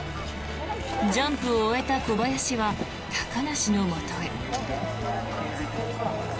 ジャンプを終えた小林は高梨のもとへ。